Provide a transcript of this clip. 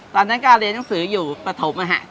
ตอนนั้นก็เรียนหนังสืออยู่ปฐม